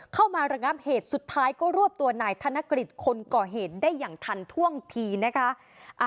เข้ามาระงับเหตุสุดท้ายก็รวบตัวนายธนกฤษคนก่อเหตุได้อย่างทันท่วงทีนะคะ